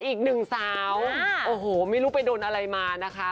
อีกหนึ่งสาวโอ้โหไม่รู้ไปโดนอะไรมานะคะ